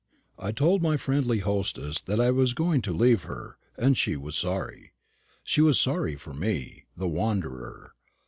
I told my friendly hostess that I was going to leave her, and she was sorry. She was sorry for me, the wanderer.